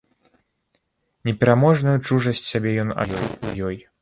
Непераможную чужасць сабе ён адчуў у ёй.